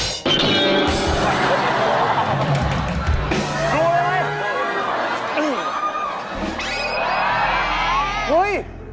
ดูเลย